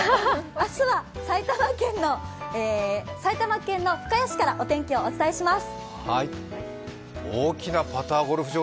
明日は埼玉県の深谷市からお天気をお伝えします。